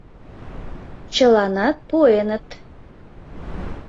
— Чыланат пуэныт.